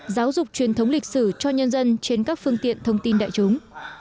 giáo dục truyền thống lịch sử cho nhân dân trên các phương tiện thông tin đại chúng